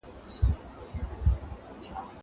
زه به اوږده موده کتابتوننۍ سره وخت تېره کړی وم!!